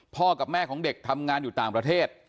กับแม่ของเด็กทำงานอยู่ต่างประเทศ